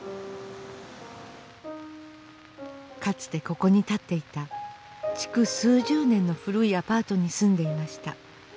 かつてここに建っていた築数十年の古いアパートに住んでいました。